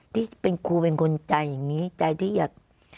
ที่เป็นครูเป็นคนใจอย่างนี้ใจที่อยาก